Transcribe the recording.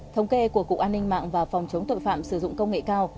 thống kê của cục an ninh mạng và phòng chống tội phạm sử dụng công nghệ cao